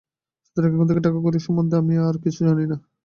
সুতরাং এখন থেকে টাকাকড়ি সম্বন্ধে আমি আর কিছুই জানি না।